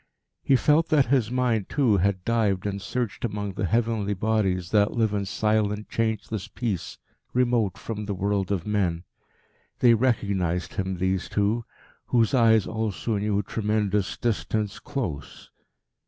He felt that his mind, too, had dived and searched among the heavenly bodies that live in silent, changeless peace remote from the world of men. They recognised him, these two whose eyes also knew tremendous distance close.